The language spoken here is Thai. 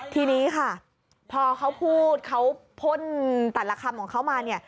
ทีนี้ค่ะพอเขาพูดเขาพ่นแต่ละคำของเขามาเนี่ย